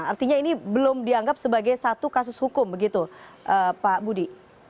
artinya ini belum dianggap sebagai satu kasus hukum begitu pak budi